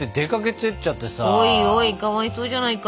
おいおいかわいそうじゃないか。